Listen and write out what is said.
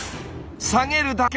下げるだけ！